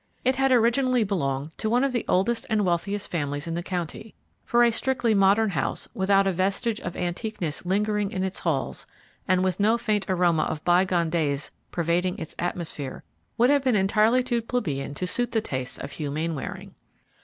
It had originally belonged to one of the oldest and wealthiest families in the county, for a strictly modern house, without a vestige of antiqueness lingering in its halls and with no faint aroma of bygone days pervading its atmosphere, would have been entirely too plebeian to suit the tastes of Hugh Mainwaring.